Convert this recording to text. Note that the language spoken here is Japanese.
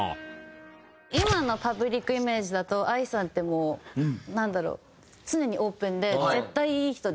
今のパブリックイメージだとＡＩさんってもうなんだろう？